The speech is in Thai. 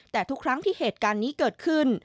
แต่ทุกครั้งที่เหตุการณ์นี้เกิดขึ้น